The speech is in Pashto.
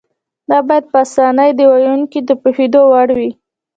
دا باید په اسانۍ د ویونکي د پوهېدو وړ وي.